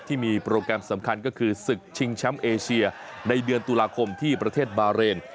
ที่มีโปรแกรมสำคัญก็คือศึกชิงแชมป์เอเชียในเดือนตุลาคมที่ประเทศบาเรน